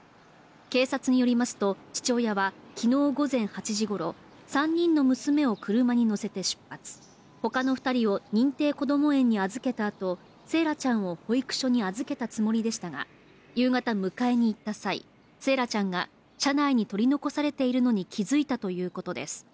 警察によりますと、父親は昨日午前８時ごろ、３人の娘を車に乗せて出発、他の２人を認定こども園に預けたあと惺愛ちゃんを保育所に預けたつもりでしたが夕方迎えに行った際、惺愛ちゃんが車内に取り残されているのに気づいたということです。